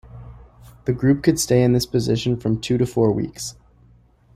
The group could stay in this position from two to four weeks.